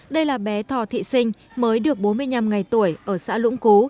đây là bé thò thị sinh mới được bốn mươi năm ngày tuổi ở xã lũng cú